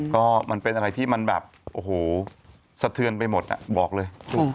ก็มันเป็นอะไรที่มันแบบโอ้โหสะเทือนไปหมดบอกเลย